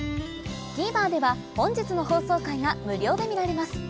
ＴＶｅｒでは本日の放送回が無料で見られます